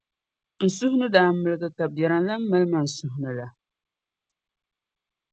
N suhu ni daa miligi ka biɛrim lan mali ma n suhu ni la.